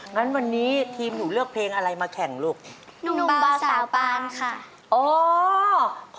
งั้นวันนี้ทีมหนูเลือกเพลงอะไรมาแข่งลูก